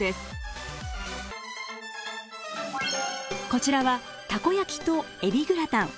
こちらはたこ焼きとえびグラタン。